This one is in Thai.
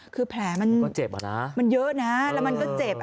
คือแผลมันก็เจ็บอ่ะนะมันเยอะนะแล้วมันก็เจ็บ